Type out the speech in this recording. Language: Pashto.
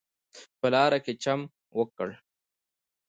په لاره کې چم وکړ.